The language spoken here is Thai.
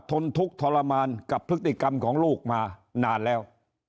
นทุกข์ทรมานกับพฤติกรรมของลูกมานานแล้ว